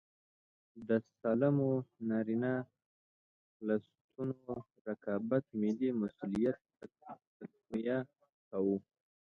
د سالمو نارینه خصلتونو رقابت ملي مسوولیت تقویه کاوه.